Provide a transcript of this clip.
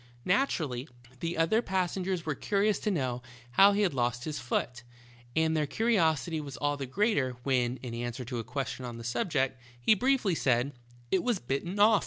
Naturally, the other pas sengers were curious to know how he had lost his foot, and their curi osity was all the greater, when, in answer to a question on the subject, he briefly said : 70 THE TALKINC^ handkerchief. "It was bitten off.